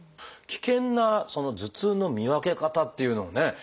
危険な頭痛の見分け方っていうのをね